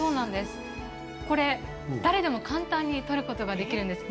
誰でも簡単に撮ることができるんです。